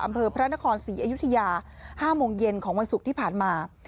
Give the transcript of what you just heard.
อำเภอพระนครศรีอยุธยา๕โมงเย็นของวันศุกร์ที่ผ่านมา